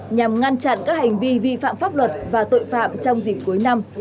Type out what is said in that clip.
nhằm ngăn chặn các hành vi vi phạm pháp luật và tội phạm trong dịp cuối năm